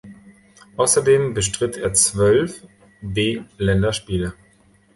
Außerdem bestritt er zwölf B-Länderspiele.